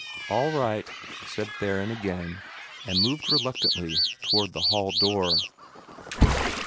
"All right," said Theron, again, and moved reluctantly toward the hall door.